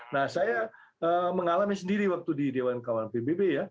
nah saya mengalami sendiri waktu di dewan keamanan pbb